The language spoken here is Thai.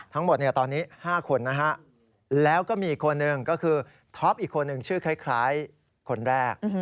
ทั้งหมดตอนนี้๕คนนะฮะแล้วก็มีอีกคนนึงก็คือท็อปอีกคนหนึ่งชื่อคล้ายคนแรก